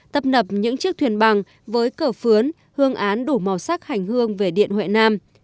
tấp nập những chiếc thuyền bằng với cờ phướn hương án đủ màu sắc hành hương về điện huệ nam